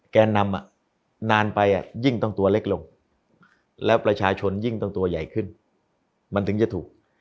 แกนนำนานไปยิ่งต้องตัวเล็กลงแล้วประชาชนยิ่งต้องตัวใหญ่ขึ้นมันถึงจะถูก